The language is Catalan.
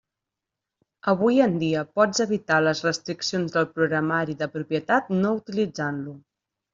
Avui en dia pots evitar les restriccions del programari de propietat no utilitzant-lo.